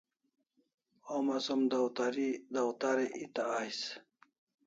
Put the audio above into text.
Homa som dawtarai eta ais